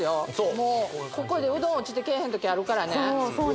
もうここでうどん落ちてけえへん時あるからそうなんですよ